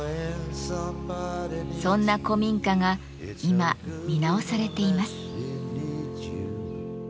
そんな古民家が今見直されています。